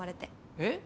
えっ！？